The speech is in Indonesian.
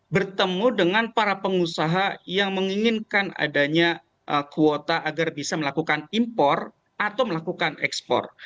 bertemu dengan para pengusaha yang menginginkan adanya kuota agar bisa melakukan impor atau melakukan ekspor